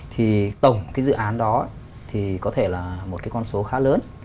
thì tổng cái dự án đó thì có thể là một cái con số khá lớn